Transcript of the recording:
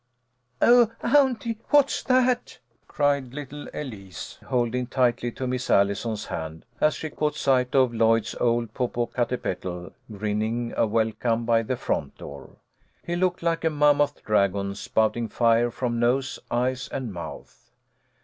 "Oh, auntie! What's that?" cried little Elise, I5O THE LITTLE COLONEL'S HOLIDAYS. holding tightly to Miss Allison's hand, as she caught sight of Lloyd's old Popocatepetl, grinning a welcome by the front door. He looked like a mammoth dragon, sponting fire from nose, eyes and mouth.